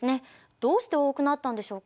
どうして多くなったんでしょうか？